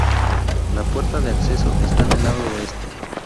La puerta de acceso está en el lado oeste.